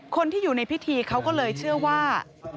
คนที่อยู่ในพิธีเขาก็เลยเชื่อว่า